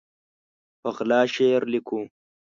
په غلا شعر لیکو